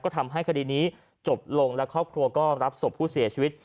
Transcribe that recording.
ทำให้คดีนี้จบลงและครอบครัวก็รับศพผู้เสียชีวิต